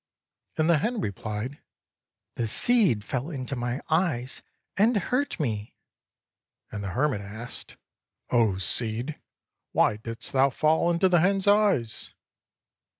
And the hen replied: " The seed fell into my eyes and hurt me." And the hermit asked, "0 seed, why didst thou fall into the hen's eyes?"